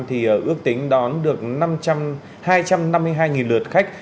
thì ước tính đón được năm hai trăm năm mươi hai lượt khách